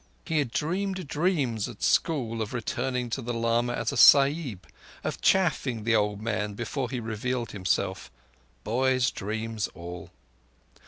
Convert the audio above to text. He had dreamed dreams at school of returning to the lama as a Sahib—of chaffing the old man before he revealed himself—boy's dreams all.